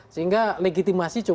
sehingga legitimasi coba dihitung